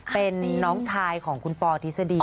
เป็นน้องชายของคุณปอทฤษฎี